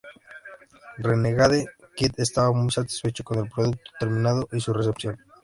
Renegade Kid estaba muy satisfecho con el producto terminado y su recepción.